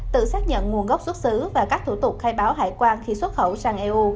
tự xác nhận nguồn gốc xuất xứ và các thủ tục khai báo hải quan khi xuất khẩu sang eu